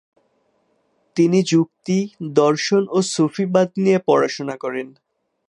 তিনি যুক্তি, দর্শন ও সুফিবাদ নিয়ে পড়াশোনা করেন।